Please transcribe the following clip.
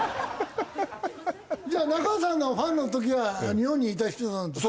じゃあ中畑さんのファンの時は日本にいた人なんですか？